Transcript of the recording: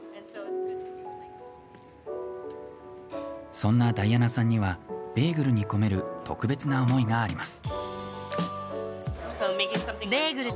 そんなダイアナさんにはベーグルに込める特別な思いがあります。